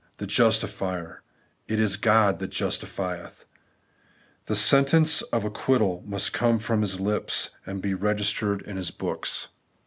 TheJustifier;— 'ItisGodthatjustifietk' The sentence of acquittal must come from His lips, and be registered in His books.